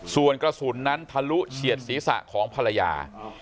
ส่วนกระสุนนั้นทะลุเฉียดศีรษะของภรรยา